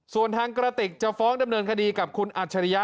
ส่วนทางกระติกจะฟ้องดำเนินคดีกับคุณอัจฉริยะ